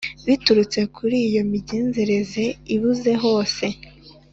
biturutse kuri iyo migenzereze ibuze hose: